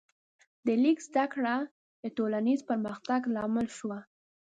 د لیک زده کړه د ټولنیز پرمختګ لامل شوه.